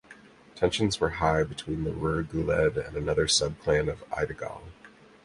Tensions were high between the Rer Guled and another subclan of Eidagale.